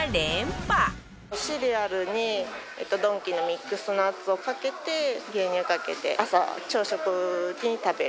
シリアルにドンキのミックスナッツをかけて牛乳かけて朝朝食に食べる。